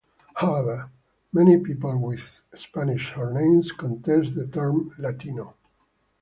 However, many people with Spanish surnames contest the term "Latino".